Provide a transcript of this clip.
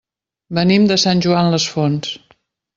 Venim de Sant Joan les Fonts.